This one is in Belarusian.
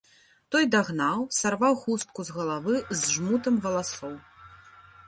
Той дагнаў, сарваў хустку з галавы з жмутам валасоў.